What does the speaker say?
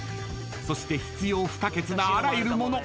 ［そして必要不可欠なあらゆるもの］